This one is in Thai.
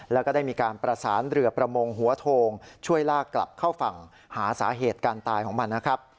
แล้วก็ได้มีการประสานเรือประมงหัวโทงช่วยลากกลับเข้าฝั่งหาสาเหตุการตายของมันนะครับ